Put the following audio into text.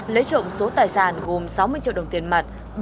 lấy trộm số tài sản gồm sáu mươi triệu đồng tiền mặt